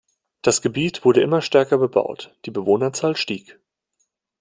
Das Gebiet wurde immer stärker bebaut, die Bewohnerzahl stieg.